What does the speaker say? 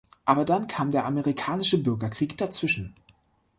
Aber dann kam der Amerikanische Bürgerkrieg dazwischen.